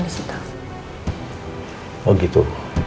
gitu oh gitu